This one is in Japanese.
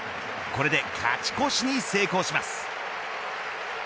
これで勝ち越しに成功します。